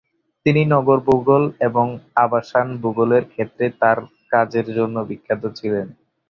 তিনি নগর ভূগোল এবং আবাসন ভূগোলের ক্ষেত্রে তাঁর কাজের জন্য বিখ্যাত ছিলেন।